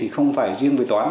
không phải riêng với toán